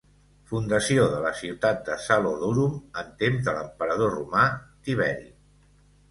Fundació de la ciutat de "Salodurum"en temps de l'emperador romà Tiberi.